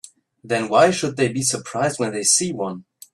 Then why should they be surprised when they see one?